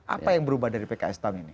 apa yang berubah dari pks tahun ini